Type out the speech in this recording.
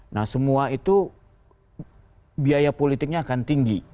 nah semua itu biaya politiknya akan tinggi